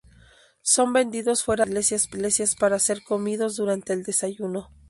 Son vendidos fuera de las iglesias para ser comidos durante el desayuno.